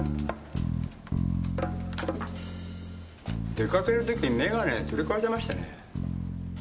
出かける時眼鏡取り替えてましたね。